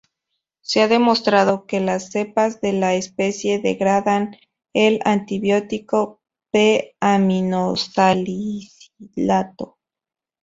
Se ha demostrado que las cepas de la especie degradan el antibiótico p-aminosalicilato.